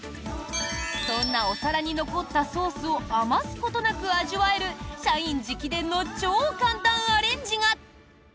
そんなお皿に残ったソースを余すことなく味わえる社員直伝の超簡単アレンジが。